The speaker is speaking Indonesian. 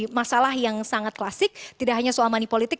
jadi masalah yang sangat klasik tidak hanya soal manipolitik